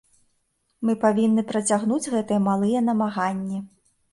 Мы павінны працягнуць гэтыя малыя намаганні.